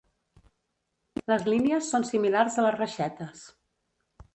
Les línies són similars a les reixetes.